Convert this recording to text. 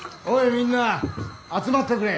みんな集まってくれ。